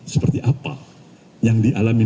seperti apa yang dialami